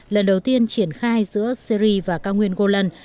lần đầu tiên triển khai giữa syri và cao nguyên goland